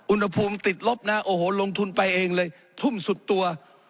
อุณหภูมิติดลบนะโอ้โหลงทุนไปเองเลยทุ่มสุดตัว